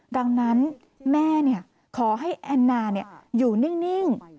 ดังนั้นแม่ขอให้แอนนาอยู่นิ่ง